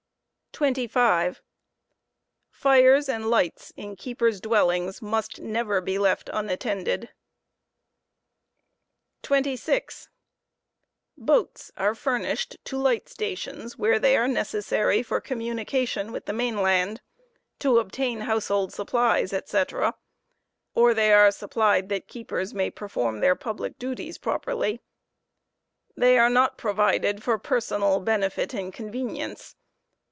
r "' 7 25. Urea and lights in keepers' dwellings must never be left unattended. »»<i liehto sot to bo *# left unattended. 26. Boats are furnished to light stations where they are necessary for coinmunica BoaU tioh with the mainland, to obtain household supplies, &c, or they are supplied that keepers may perform their public duties properly. They are not provided for personal benefit and convenience.